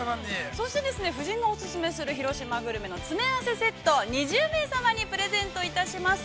◆そしてですね夫人がお勧めする広島グルメの詰め合わせセット２０名様にプレゼントいたします。